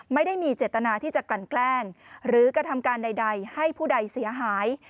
ไม่ได้มีเจตนาที่จะกลั่นแกล้งหรือกระทำการใดให้ผู้ใดเสียหาย